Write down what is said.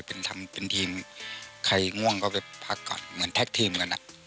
เป็นทำเป็นทีมใครง่วงก็ไปพักก่อนเหมือนแท็กทีมกันอ่ะ